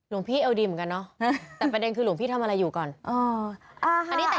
สงสัยไปดูพร้อมกันค่ะ